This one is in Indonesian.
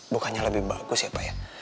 bukannya lebih bagus ya pak ya